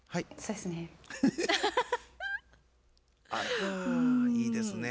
あっいいですね。